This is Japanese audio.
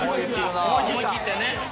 思い切ってね。